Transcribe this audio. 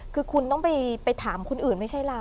คือคุณต้องไปถามคนอื่นไม่ใช่เรา